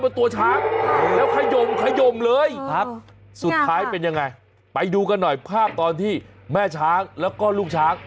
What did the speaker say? พวกมันกำลังกลับมาช่วยทุกคน